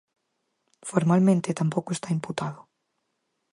Formalmente, tampouco está imputado.